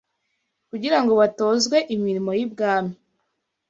kugira ngo batozwe imirimo y’ibwami.